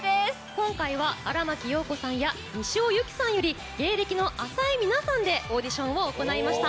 今回は荒牧陽子さんや西尾夕紀さんより芸歴の浅い皆さんでオーディションを行いました。